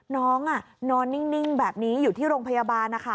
น้องนอนนิ่งแบบนี้อยู่ที่โรงพยาบาลนะคะ